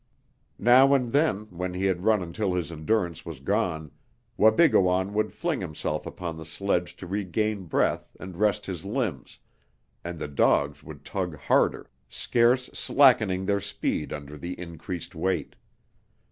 Now and then, when he had run until his endurance was gone, Wabigoon would fling himself upon the sledge to regain breath and rest his limbs, and the dogs would tug harder, scarce slackening their speed under the increased weight.